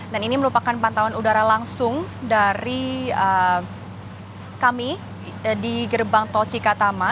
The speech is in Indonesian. dan ini merupakan pantauan udara langsung dari kami di gerbang tol cikatama